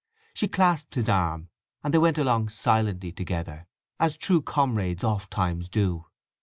She clasped his arm, and they went along silently together, as true comrades oft times do.